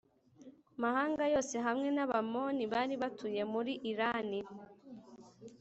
mahanga yose hamwe n Abamori bari batuye muri irani